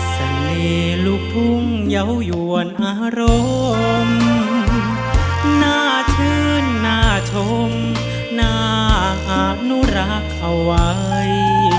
ใส่ลูกทุ่งเยาวยวนอารมณ์น่าชื่นน่าชมน่าอาจอนุรักษ์เขาไว้